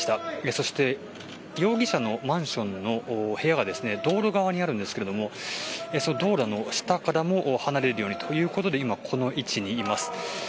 そして、容疑者のマンションの部屋が道路側にあるんですが道路は下からも離れるようにということで今、この位置にいます。